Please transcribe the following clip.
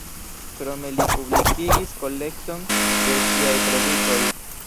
Krome li publikigis kolekton de siaj predikoj.